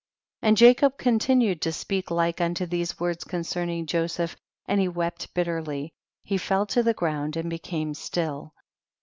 30. And Jacob continued to speak like unto these words concerning Joseph, and he wept bitterly ; he fell to the ground and became still.